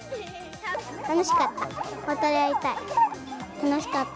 楽しかった。